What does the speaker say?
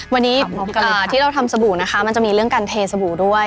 วันนี้ที่เราทำสบู่นะคะมันจะมีเรื่องการเทสบู่ด้วย